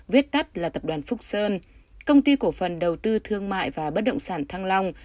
viết tắt là tập đoàn phúc sơn công ty cổ phần đầu tư thương mại và bất động sản thăng long